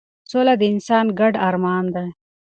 سوله د انسان ګډ ارمان دی